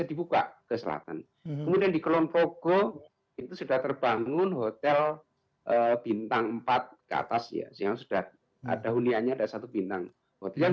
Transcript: itu itu sudah terbangun hotel bintang empat ke atas ya yang sudah ada hunianya ada satu bintang yang